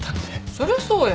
そりゃそうや。